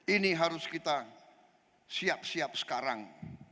ini harus kita siap siap sekarang